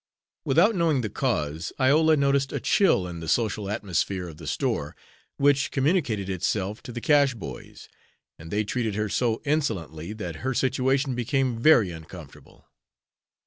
Without knowing the cause, Iola noticed a chill in the social atmosphere of the store, which communicated itself to the cash boys, and they treated her so insolently that her situation became very uncomfortable.